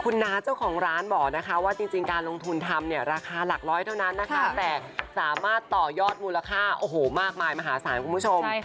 คุณน้าเจ้าของร้านบอกนะคะว่าจริงการลงทุนทำเนี่ยราคาหลักร้อยเท่านั้นนะคะแต่สามารถต่อยอดมูลค่าโอ้โหมากมายมหาศาลคุณผู้ชม